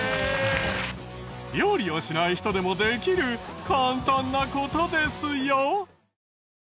料理をしない人でもできる簡単な事ですよ。